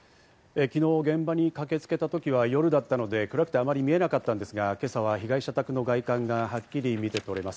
昨日、現場に駆けつけた時は夜だったので暗くてあまり見えなかったんですが、今朝は被害者宅の外観がはっきり見てとれます。